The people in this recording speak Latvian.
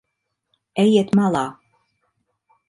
Ejiet malā.